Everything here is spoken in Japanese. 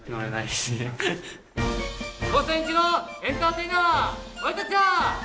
高専一のエンターテイナーは俺たちだ！